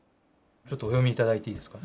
ちょっとお読み頂いていいですか。